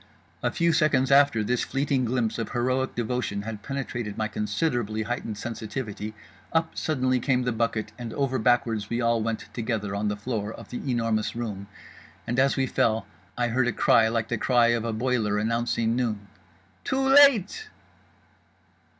A few seconds after this fleeting glimpse of heroic devotion had penetrated my considerably heightened sensitivity—UP suddenly came the bucket and over backwards we all went together on the floor of The Enormous Room. And as we fell I heard a cry like the cry of a boiler announcing noon— "Too late!"